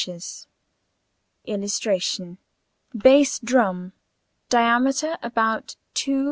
] [Illustration: BASS DRUM. Diameter about 2 1/2 ft.